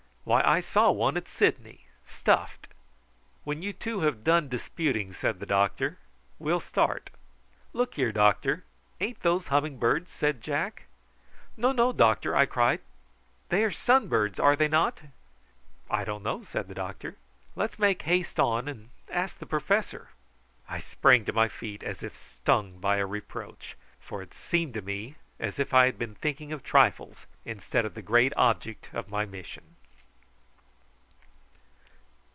Why, I saw one at Sydney, stuffed." "When you two have done disputing," said the doctor, "we'll start." "Look here, doctor; ain't those humming birds?" said Jack. "No, no, doctor," I cried; "they are sunbirds, are they not?" "I don't know," said the doctor; "let's make haste on and ask the professor." I sprang to my feet as if stung by a reproach, for it seemed to me as if I had been thinking of trifles instead of the great object of my mission.